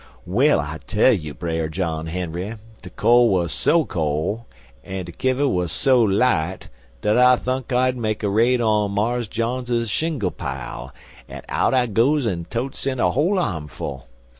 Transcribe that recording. "Well, I tell you, Brer John Henry, de col' wuz so col', an' de kiver wuz so light, dat I thunk I'd make a raid on Mars John's shingle pile, an' out I goes an totes in a whole armful.